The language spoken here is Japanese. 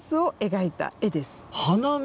花見。